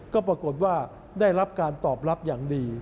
ก็ปรากฏว่าได้รับการตอบรับอย่างดี